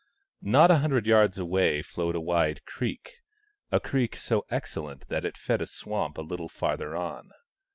Not a hundred yards away flowed a wide creek ; a creek so excellent that it fed a swamp a little farther on.